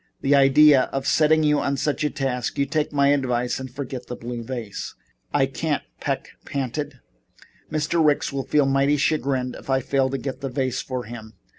"The idea of setting you such a task. You take my advice and forget the blue vase." "I can't," Peck panted. "Mr. Ricks will feel mighty chagrined if I fail to get the vase to him.